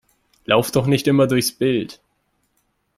Lauf doch nicht immer durchs Bild!